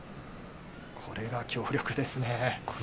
これが強力でしたね。